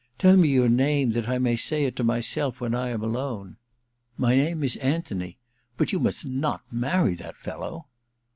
Tell me your name, that I may say it to myself when I am alone.* * My name is Anthony. But you must not marry that fellow.'